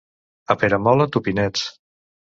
A Peramola, tupinets.